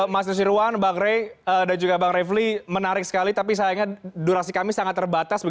mas nusirwan bang rey dan juga bang refli menarik sekali tapi sayangnya durasi kami sangat terbatas